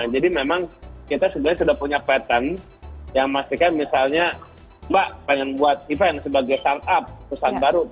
jadi memang kita sebenarnya sudah punya pattern yang memastikan misalnya mbak ingin buat event sebagai startup pesan baru